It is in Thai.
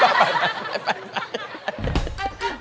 ไป